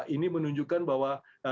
ini menunjukkan bahwa